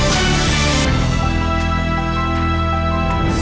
หัว